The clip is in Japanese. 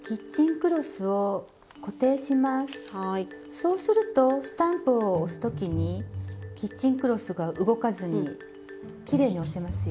そうするとスタンプを押す時にキッチンクロスが動かずにきれいに押せますよ。